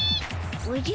おじゃ？